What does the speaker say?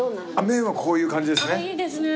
麺はこういう感じですね。